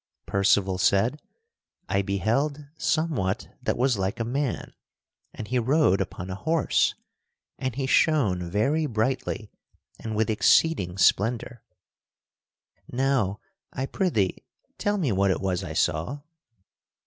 Percival said: "I beheld somewhat that was like a man, and he rode upon a horse, and he shone very brightly and with exceeding splendor. Now, I prithee tell me what it was I saw?"